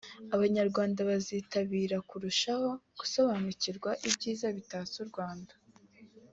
Abanyarwanda bazitabira kurushaho gusobanukirwa ibyiza bitatse u Rwanda